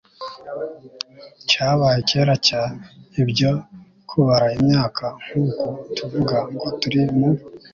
cyabaye kera cyane. ibyo kubara imyaka nk'uku tuvuga ngo turi mu